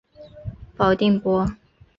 保定伯。